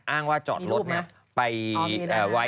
อ้างว่าจอดรถพี่รูปมั้ย